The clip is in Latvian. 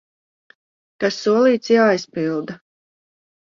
Kas solīts, jāizpilda!